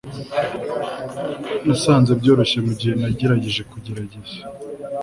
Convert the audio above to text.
Nasanze byoroshye mugihe nagerageje kugerageza